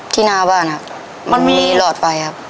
หน้าบ้านครับมันมีหลอดไฟครับ